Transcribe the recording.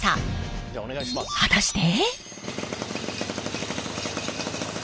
果たして？